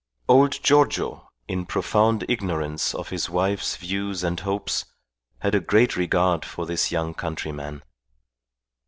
Old Giorgio, in profound ignorance of his wife's views and hopes, had a great regard for his young countryman.